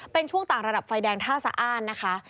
เป็นช่วงต่างระดับไฟแดงท่าสะอ้านนะคะ